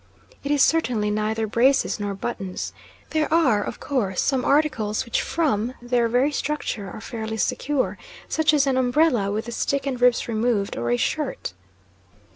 It is certainly neither braces nor buttons. There are, of course, some articles which from their very structure are fairly secure, such as an umbrella with the stick and ribs removed, or a shirt.